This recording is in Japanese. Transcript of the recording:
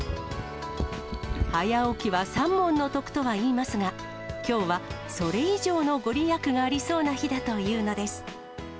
早起きは三文の徳とはいいますが、きょうは、それ以上の御利益がありそうな日だというのです。